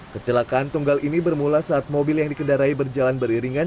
kecelakaan tunggal ini bermula saat mobil yang dikendarai berjalan beriringan